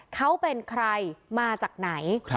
เขาเป็นใครมาจากไหน